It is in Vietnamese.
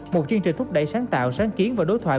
một chương trình thúc đẩy sáng tạo sáng kiến và đối thoại